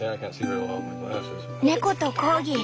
猫とコーギー。